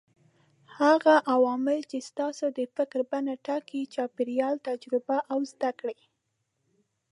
هغه عوامل چې ستاسې د فکر بڼه ټاکي: چاپېريال، تجربې او زده کړې.